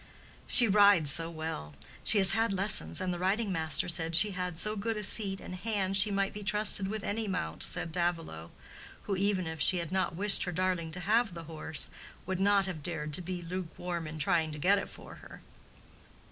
"She rides so well. She has had lessons, and the riding master said she had so good a seat and hand she might be trusted with any mount," said Mrs. Davilow, who, even if she had not wished her darling to have the horse, would not have dared to be lukewarm in trying to get it for her.